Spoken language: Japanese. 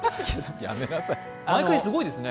最近、すごいですね。